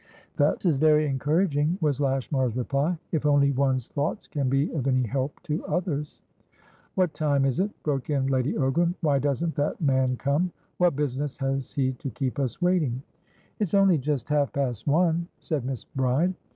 "That is very encouraging," was Lashmar's reply. "If only one's thoughts can be of any help to others" "What time is it?" broke in Lady Ogram. "Why doesn't that man come? What business has he to keep us waiting?" "It's only just half past one," said Miss Bride.